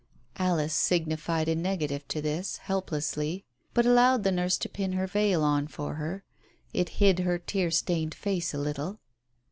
Alice signified a negative to this, helplessly, but allowed the nurse to pin her veil on for her. It hid her tear stained face a little.